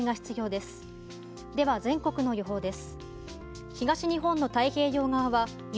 では全国の予報です。